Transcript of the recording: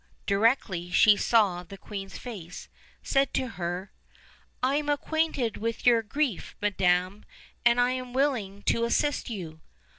directly she saw the queen's face, said to her: "I am acquainted with your grief, madam, and am will ing to assist you."